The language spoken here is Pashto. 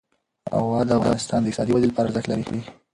هوا د افغانستان د اقتصادي ودې لپاره ارزښت لري.